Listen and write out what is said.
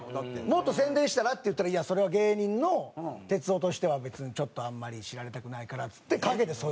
「もっと宣伝したら？」って言ったら「それは芸人の哲夫としては別にちょっとあんまり知られたくないから」っつって陰でそういうのをしてるんです。